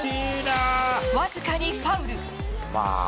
僅かにファウル。